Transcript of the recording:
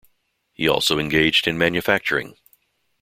He also engaged in manufacturing.